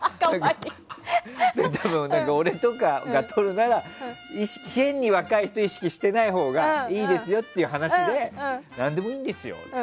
俺とかが撮るなら変に若い人を意識しないほうがいいですよっていう話で何でもいいんですよって。